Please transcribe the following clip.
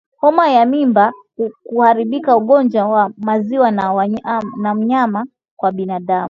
Homa ya Mimba kuharibika Ugonjwa wa Maziwa na Nyama kwa Binadamu